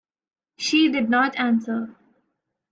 She did not answer.